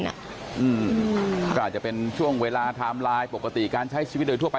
ก็อาจจะเป็นช่วงเวลาไทม์ไลน์ปกติการใช้ชีวิตโดยทั่วไป